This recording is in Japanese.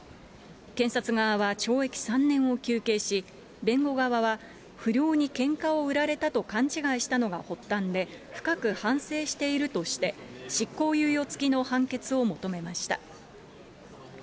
検察側は懲役３年を求刑し、弁護側は、不良にけんかを売られたと勘違いしたのが発端で、深く反省しているとして、執行猶予付きの判決を求めました。